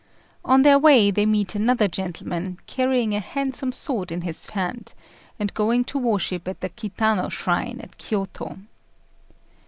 On their way they meet another gentleman, carrying a handsome sword in his hand, and going to worship at the Kitano shrine at Kiôto.